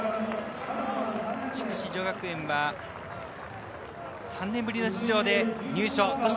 筑紫女学園は３年ぶりの出場で入賞。